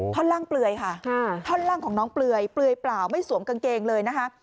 ท่อนล่างเปลือยค่ะท่อนล่างของน้องเปลือยเปลือยเปล่าไม่สวมกางเกงเลยนะคะ